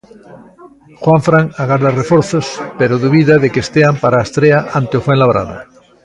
Juanfran agarda reforzos pero dubida de que estean para a estrea ante o Fuenlabrada.